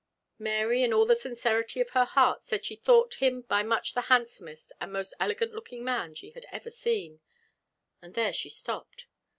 Mary, in all the sincerity of her heart, said she thought him by much the handsomest and most elegant looking man she had ever seen. And there she stopped.